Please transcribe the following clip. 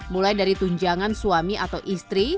mulai dari tunjangan suami atau istri